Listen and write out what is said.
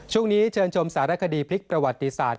ช่วงนี้เชิญชมสารคดีพลิกประวัติศาสตร์